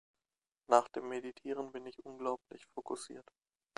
Nach dem Meditieren bin ich unglaublich fokussiert.